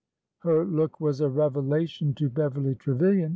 Her look was a revelation to Beverly Trevilian.